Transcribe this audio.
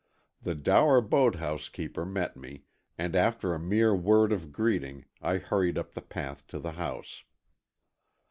The dour boathouse keeper met me, and after a mere word of greeting I hurried up the path to the house.